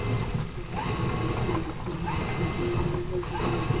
গোরা গ্রামে বাস করিবার সময় একটা পাড়ায় আগুন লাগিয়াছিল।